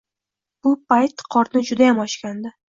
Bu payt qorni judayam ochgandi.